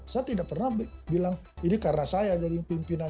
saya tidak pernah bilang ini karena saya jadi pimpinan